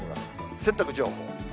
洗濯情報。